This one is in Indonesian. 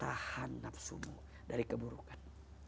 tahan nafsumu dari keburukan